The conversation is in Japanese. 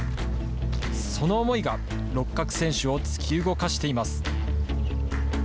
その思いが、六角選手を突き動かしています。